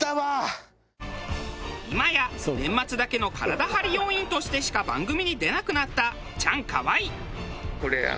今や年末だけの体張り要員としてしか番組に出なくなったチャンカワイ。